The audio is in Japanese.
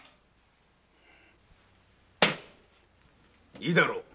いいだろう。